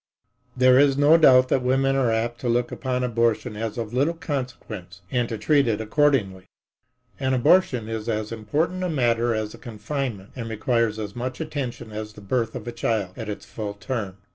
There is no doubt that women are apt to look upon abortion as of little consequence and to treat it accordingly. An abortion is as important a matter as a confinement and requires as much attention as the birth of a child at its full term.